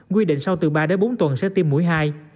quy định sau từ ba đến bốn tuần sẽ tiêm mũi hai